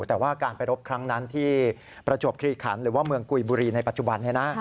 แต่ว่าการไปรบครั้งนั้นที่ประจวบคลีขันหรือว่าเมืองกุยบุรีในปัจจุบันนี้นะ